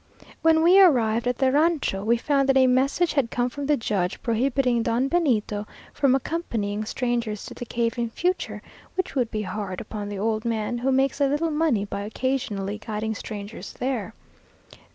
When we arrived at the rancho, we found that a message had come from the judge, prohibiting Don Benito from accompanying strangers to the cave in future, which would be hard upon the old man, who makes a little money by occasionally guiding strangers there.